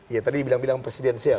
ya tadi bilang bilang presidensial